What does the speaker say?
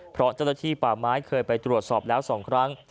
เพราะเจ้าหน้าที่ป่าไม้เคยไปตรวจสอบแล้ว๒ครั้ง